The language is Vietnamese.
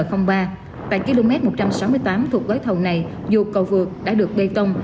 tại km một trăm sáu mươi tám thuộc gói thầu này dù cầu vượt đã được bê tông